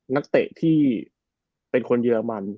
นักเตะที่เป็นคนเยอรมัน